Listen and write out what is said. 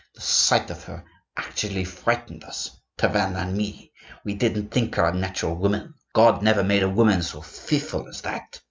The sight of her actually frightened us, Tavannes and me! We didn't think her a natural woman. God never made a woman so fearful as that.